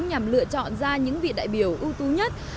nhằm lựa chọn ra những vị đại biểu ưu tú nhất